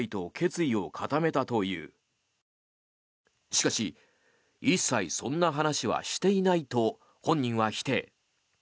しかし一切そんな話はしていないと本人は否定。